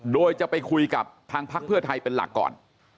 โดยจะไปคุยกับทางพักเพื่อไทยเป็นหลักก่อน